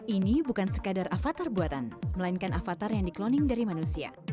ini bukan sekadar avatar buatan melainkan avatar yang di cloning dari manusia